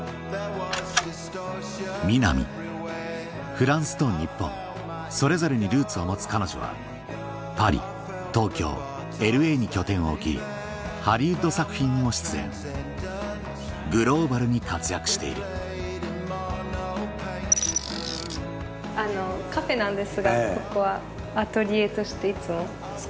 フランスと日本それぞれにルーツを持つ彼女はパリ東京ＬＡに拠点を置きハリウッド作品にも出演グローバルに活躍している美波さんが実際に使われてるんですか？